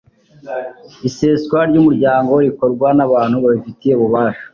iseswa ry'umuryango rikorwa n'abantu babifitiye ububasha